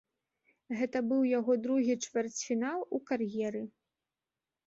Гэта быў яго другі чвэрцьфінал у кар'еры.